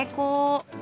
emang itu udah berarti